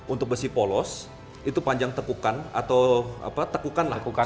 untuk besi polos itu panjang tekukan atau tekukan lah